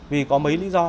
vì có mấy lý do